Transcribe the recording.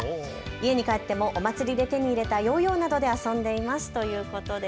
家に帰ってもお祭りで手に入れたヨーヨーなどで遊んでいますということです。